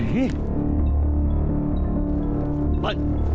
เฮ้